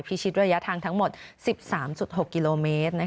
พิชิตระยะทางทั้งหมด๑๓๖กิโลเมตร